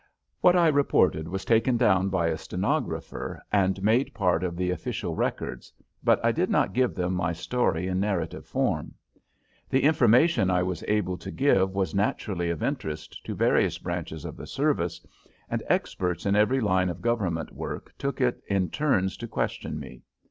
What I reported was taken down by a stenographer and made part of the official records, but I did not give them my story in narrative form. The information I was able to give was naturally of interest to various branches of the service, and experts in every line of government work took it in turns to question me.